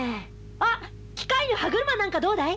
あっ機械の歯車なんかどうだい？